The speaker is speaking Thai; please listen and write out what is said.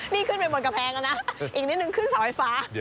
นี่ขึ้นไปบนกำแพงแล้วนะอีกนิดนึงขึ้นเสาไฟฟ้า